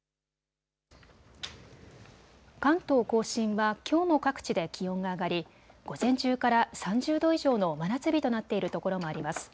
関東甲信はきょうも各地で気温が上がり、午前中から３０度以上の真夏日となっているところもあります。